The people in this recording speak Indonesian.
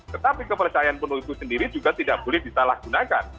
tetapi kepercayaan penuh itu sendiri juga tidak boleh disalahgunakan